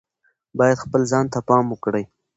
باید خپل ځان ته پام وکړي.